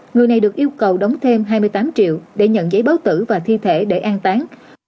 người này được yêu cầu đóng thêm hai mươi tám triệu để nhận giấy báo tử và thi thể để an tán